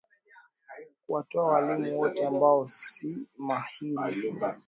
kuwatoa walimu wote ambao si mahili